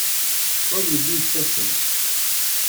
Ur yelli yettasem.